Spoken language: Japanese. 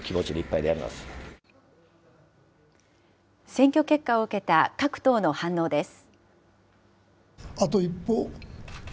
選挙結果を受けた各党の反応です。